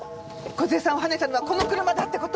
梢さんをはねたのはこの車だって事！